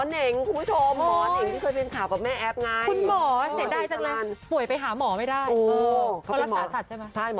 หมอเน็งคุณผู้ชม